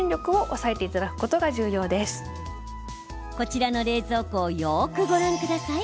こちらの冷蔵庫をよーくご覧ください。